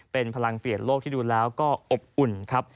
เป็นพลังเปลี่ยนโลกที่ดูแล้วก็อบอุ่นครับ